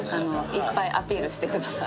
いっぱいアピールしてください。